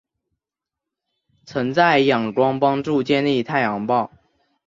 曾在仰光帮助建立太阳报。